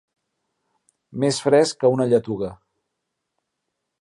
Més fresc que una lletuga.